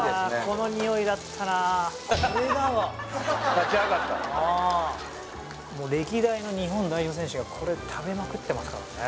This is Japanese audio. この匂いだったな立ち上がった歴代の日本代表選手がこれ食べまくってますからね